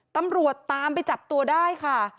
ตำรวจตามไปจับตัวได้ค่ะ